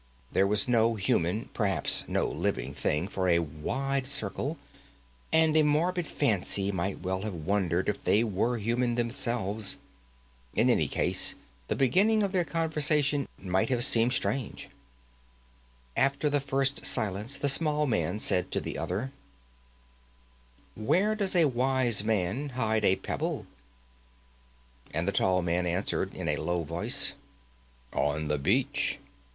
There was no human, perhaps no living, thing for a wide circle; and a morbid fancy might well have wondered if they were human themselves. In any case, the beginning of their conversation might have seemed strange. After the first silence the small man said to the other: "Where does a wise man hide a pebble?" And the tall man answered in a low voice: "On the beach."